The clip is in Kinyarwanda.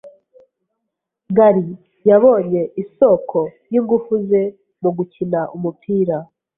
Gary yabonye isoko yingufu ze mugukina umupira.